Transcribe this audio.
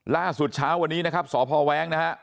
ล่าสุดเช้าวันนี้นะครับสพแว้งนะฮะ